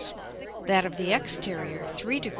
that of the exterior 3 Degr.